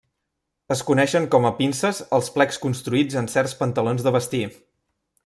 Es coneixen com a pinces els plecs construïts en certs pantalons de vestir.